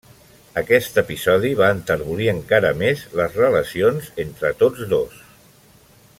Aquest episodi va enterbolir encara més les relacions entre tots dos.